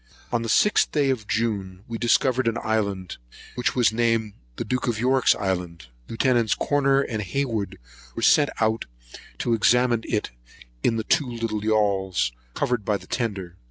On the 6th day of June, we discovered an island, which was named the Duke of York's island. Lieuts. Corner and Hayward were sent out to examine it in the two yauls, covered by the tender.